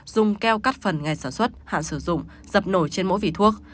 dùng keo cắt phần ngày sản xuất hạn sử dụng dập nổi trên mỗi vỉ thuốc